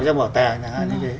trong bảo tàng